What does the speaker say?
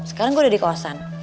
sekarang gue udah di kawasan